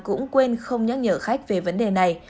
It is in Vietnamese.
cũng quên không nhắc nhở khách về vấn đề này